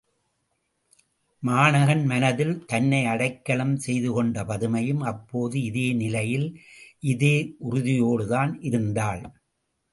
மாணகன் மனத்தில் தன்னை அடைக்கலம் செய்துகொண்ட பதுமையும் அப்போது இதே நிலையில் இதே உறுதியோடுதான் இருந்தாள்.